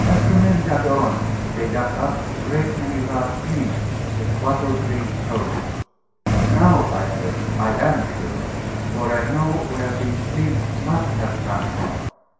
As the men dug on, they dug up a great many large flints, with bottle green coats. "Now," I said, "I am sure. For I know where these flints must have come from."